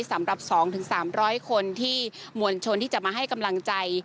สำหรับ๒๓๐๐คนที่มวลชนที่จะมาให้กำลังใจ